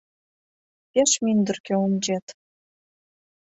— Пеш мӱндыркӧ ончет.